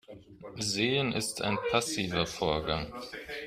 Sehen ist ein passiver Vorgang.